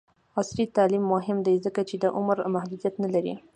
عصري تعلیم مهم دی ځکه چې د عمر محدودیت نه لري.